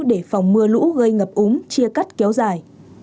để phòng mưa lũ gây ngập úng chia cắt kéo dài